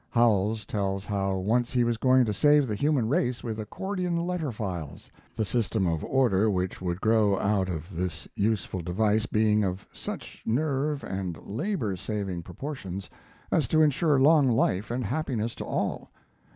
Howells tells how once he was going to save the human race with accordion letter files the system of order which would grow out of this useful device being of such nerve and labor saving proportions as to insure long life and happiness to all.